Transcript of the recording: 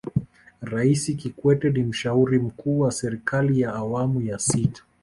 raisi kikwete ni mshauri mkuu wa serikali ya awamu ya sita